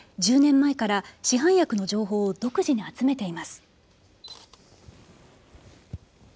１０年前から市販薬の情報を独自に集めています。